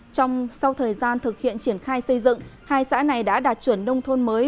trong sau thời gian thực hiện triển khai xây dựng hai xã này đã đạt chuẩn nông thôn mới